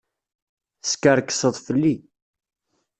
Teskerkseḍ fell-i.